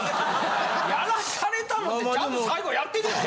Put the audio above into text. やらされたのってちゃんと最後やってるやん。